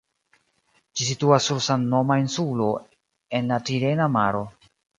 Ĝi situas sur samnoma insulo en la Tirena Maro.